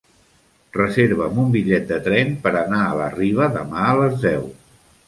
Reserva'm un bitllet de tren per anar a la Riba demà a les deu.